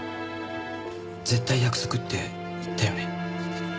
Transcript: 絶対約束って言ったよね？